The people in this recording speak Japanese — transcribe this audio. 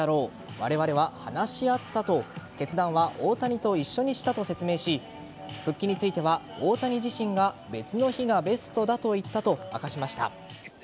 われわれは話し合ったと決断は大谷と一緒にしたと説明し復帰については大谷自身が別の日がベストだと言ったと明かしました。